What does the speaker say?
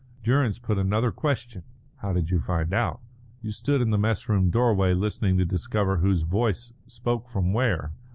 Durrance put another question: "How did you find out?" "You stood in the mess room doorway listening to discover whose voice spoke from where.